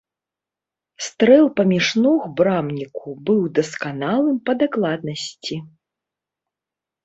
Стрэл паміж ног брамніку быў дасканалым па дакладнасці.